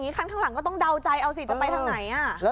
คันข้างหลังก็ต้องเดาใจเอาสิจะไปทางไหน